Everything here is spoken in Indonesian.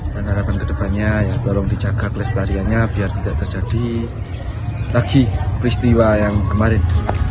dan harapan kedepannya tolong dijaga kelestariannya biar tidak terjadi lagi peristiwa yang kemarin